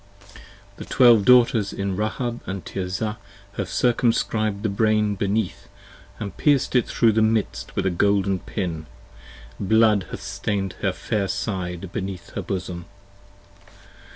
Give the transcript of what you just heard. The Twelve Daughters in Rahab & Tirzah have circumscrib'd the Brain Beneath & pierced it thro' the midst with a golden pin. Blood hath stain'd her fair side beneath her bosom.